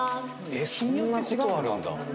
えっそんな事あるんだ。